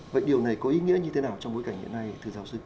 vậy điều này có ý nghĩa như thế nào trong bối cảnh hiện nay thưa giáo sư